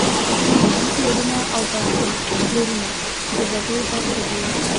عمده پلورنه او پرچون پلورنه د هغې برخې دي